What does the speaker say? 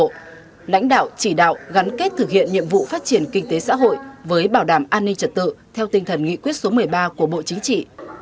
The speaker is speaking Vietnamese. lãnh đạo bộ công an tiếp tục lãnh đạo chỉ đạo gắn kết thực hiện nhiệm vụ phát triển kinh tế xã hội với bảo đảm an ninh trật tự theo tinh thần nghị quyết số một mươi ba của bộ chính trị